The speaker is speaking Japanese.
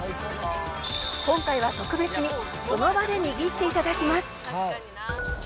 「今回は特別にその場で握っていただきます」